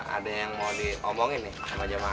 ada yang mau diomongin nih sama jemaah